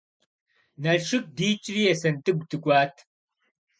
Налшык дикӏри Есэнтӏыгу дыкӏуат.